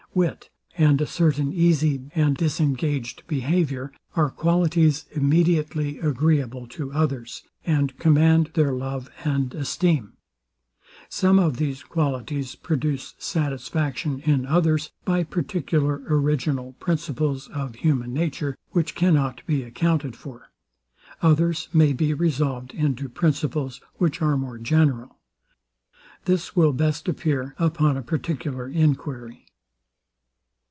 Wit, and a certain easy and disengaged behaviour, are qualities immediately agreeable to others, and command their love and esteem. Some of these qualities produce satisfaction in others by particular original principles of human nature, which cannot be accounted for: Others may be resolved into principles, which are more general. This will best appear upon a particular enquiry.